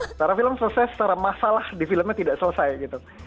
secara film selesai secara masalah di filmnya tidak selesai gitu